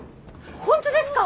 本当ですか！？